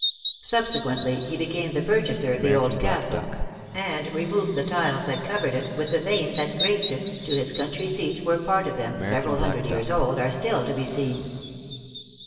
Subsequently he became the purchaser of the old castle; and removed the tiles that covered it, with the vane that graced it, to his country seat, where part of them, several hundred years old, are still to be seen.